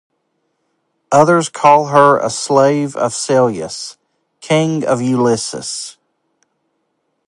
Others call her a slave of Celeus, king of Eleusis.